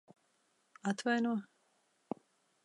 Atvaino?